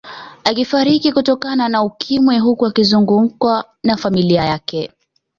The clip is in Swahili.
Akifariki kutokana na Ukimwi huku akizungukwa na familia yake